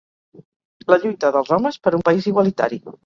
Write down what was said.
La lluita dels homes per un país igualitari.